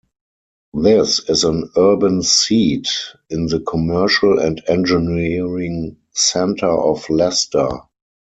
This is an urban seat in the commercial and engineering centre of Leicester.